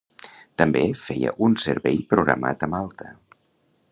També feia un servei programat a Malta.